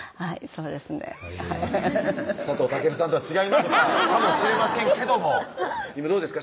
そうですね佐藤健さんとは違いましたかもしれませんけども今どうですか？